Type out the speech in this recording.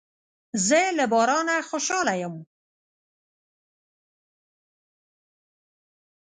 زه له بارانه خوشاله یم.